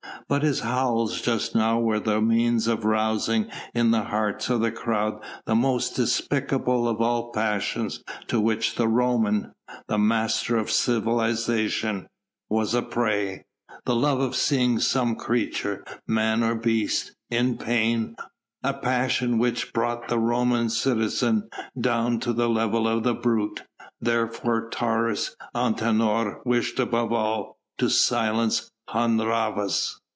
But his howls just now were the means of rousing in the hearts of the crowd that most despicable of all passions to which the Roman the master of civilisation was a prey the love of seeing some creature, man or beast, in pain, a passion which brought the Roman citizen down to the level of the brute: therefore Taurus Antinor wished above all to silence Hun Rhavas.